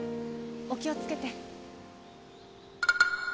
お気を付けて。